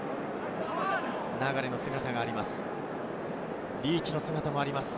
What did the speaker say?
流の姿があります。